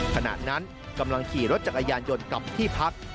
ขณะนั้นกำลังขี่รถจักรยานยนต์กลับที่พัก